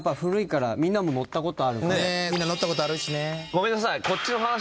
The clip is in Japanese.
ごめんなさい。